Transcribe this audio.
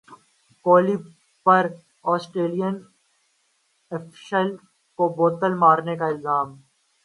کوہلی پر Australian official کو بوتل مارنے کا الزام